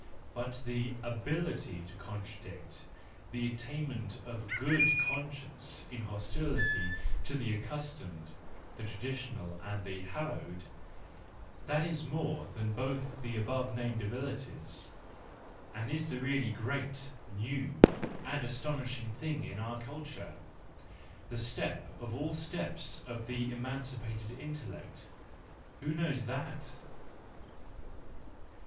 But the ability to contradict, the attainment of good conscience in hostility to the accustomed, the traditional and the hallowed,—that is more than both the above named abilities, and is the really great, new and astonishing thing in our culture, the step of all steps of the emancipated intellect: who knows that